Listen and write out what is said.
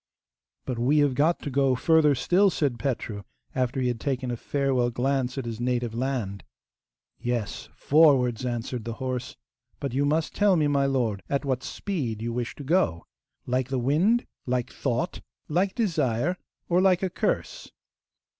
'But we have got to go further still,' said Petru, after he had taken a farewell glance at his native land. 'Yes, forwards,' answered the horse; 'but you must tell me, my lord, at what speed you wish to go. Like the wind? Like thought? Like desire? or like a curse?